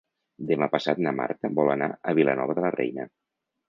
Demà passat na Marta vol anar a Vilanova de la Reina.